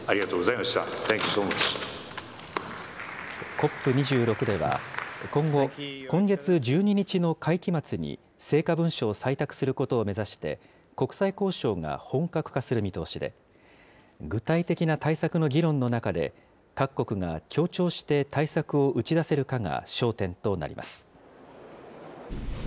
ＣＯＰ２６では、今後、今月１２日の会期末に、成果文書を採択することを目指して国際交渉が本格化する見通しで、具体的な対策の議論の中で、各国が協調して対策を打ち出せるかが焦点となります。